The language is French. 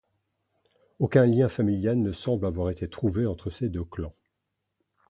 Aucun lien familial ne semble avoir été trouvé entre ces deux clans.